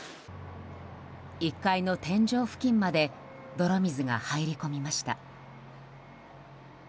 １階の天井付近まで泥水が入り込みました。